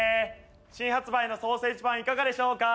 新発売のソーセージパンいかがでしょうか？